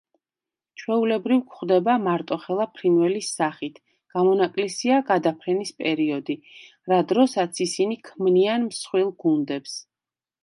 ჩვეულებრივ გვხვდება მარტოხელა ფრინველის სახით, გამონაკლისია გადაფრენის პერიოდი, რა დროსაც ისინი ქმნიან მსხვილ გუნდებს.